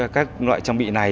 các loại trang bị nào